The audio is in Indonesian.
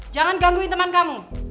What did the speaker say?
jangan gangguin temen kamu